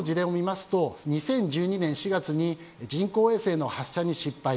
ただ、過去の事例を見ますと２０１２年４月に人工衛星の発射に失敗。